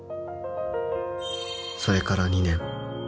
「それから２年」